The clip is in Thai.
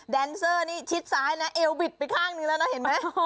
แนนเซอร์นี่ชิดซ้ายนะเอวบิดไปข้างหนึ่งแล้วนะเห็นไหม